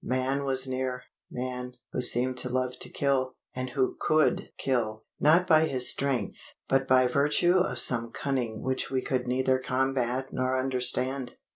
Man was near man, who seemed to love to kill, and who could kill; not by his strength, but by virtue of some cunning which we could neither combat nor understand.